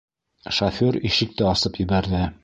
Шофёр ишекте асып ебәрҙе.